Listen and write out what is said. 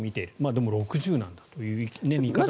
でも６０なんだという見方が。